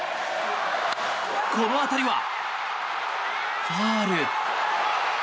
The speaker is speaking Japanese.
この当たりはファウル。